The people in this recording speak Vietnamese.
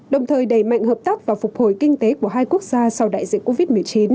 đồng thời đẩy mạnh hợp tác và phục hồi kinh tế của hai quốc gia sau đại dịch covid một mươi chín